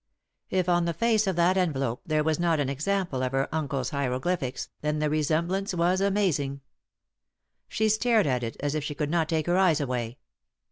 If on the face of that envelope there was not an example of her uncle's hieroglyphics, then the resem blance was amazing. She stared at it as if she could not take her eyes away.